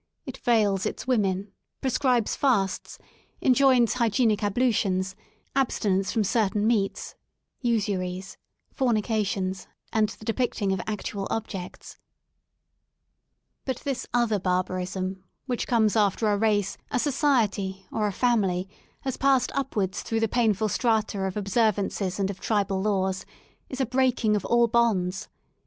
It veils its women; prescribes fasts; ii6 LONDON AT LEISURE enjoins hygienic ablutions, abstinence from certain meats, usuries, fornications, and the depicting of actual objects*) But this other barbarism, which comes after a racCj a Society, or a family, has passed upwards through the painful strata of observances and of tribal laws, is a breaking of all bonds.